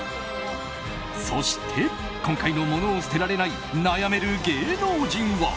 そして今回の物を捨てられない悩める芸能人は。